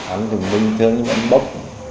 anh trùng bình thường thì anh bóp